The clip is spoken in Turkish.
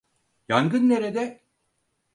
Yangın nerede?